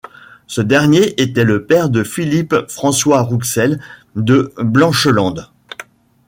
Ce dernier était le père de Philippe François Rouxel de Blanchelande.